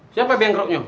siapa yang bengkroknya